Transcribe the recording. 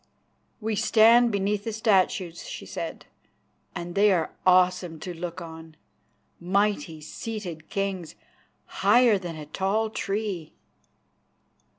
"We stand beneath the statues," she said, "and they are awesome to look on; mighty, seated kings, higher than a tall tree."